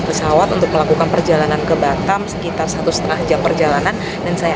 pesawat untuk melakukan perjalanan ke batam sekitar satu setengah jam perjalanan dan saya